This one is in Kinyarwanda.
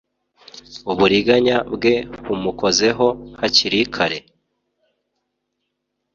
Uburiganya bwe bumukozeho hakiri kare